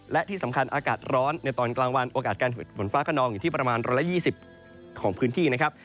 และที่สำคัญอากาศร้อนในตอนกลางวันโอกาสการเกิดฝนฟ้าขนองอยู่ที่ประมาณ๑๒๐ของพื้นที่นะครับ